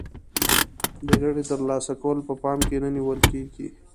د ګټې تر لاسه کول په پام کې نه نیول کیږي.